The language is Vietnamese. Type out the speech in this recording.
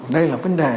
đây là vấn đề